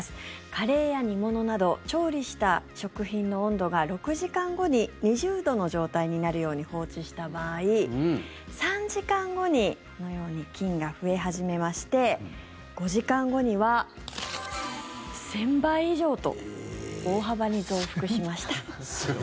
カレーや煮物など調理した食品の温度が６時間後に２０度の状態になるように放置した場合３時間後にこのように菌が増え始めまして５時間後には１０００倍以上と大幅に増幅しました。